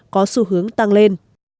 có xu hướng tăng lên